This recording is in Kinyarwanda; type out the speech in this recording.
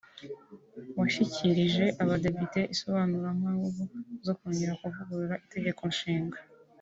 washyikirije abadepite isobanurampamvu zo kongera kuvugurura itegeko nshinga